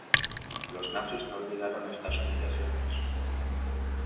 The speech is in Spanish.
Los nazis no olvidaron estas humillaciones.